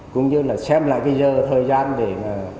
cũng như là xem lại cái giờ thời gian để mà